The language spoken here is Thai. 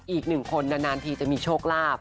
อีกหนึ่งคนนานทีจะมีโชคลาภ